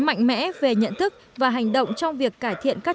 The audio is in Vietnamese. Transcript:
mạnh mẽ không đủ năng lượng không đủ năng lượng không đủ năng lượng không đủ năng lượng